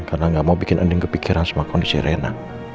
karena enggak mau bikin anding kepikiran sama kondisi rena